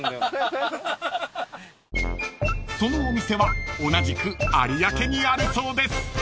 ［そのお店は同じく有明にあるそうです］